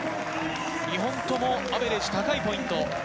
２本ともアベレージ高いポイント。